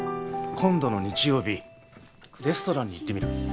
今度の日曜日レストランに行ってみる？